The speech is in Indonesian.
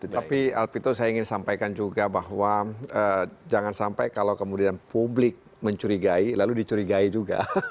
tapi alpito saya ingin sampaikan juga bahwa jangan sampai kalau kemudian publik mencurigai lalu dicurigai juga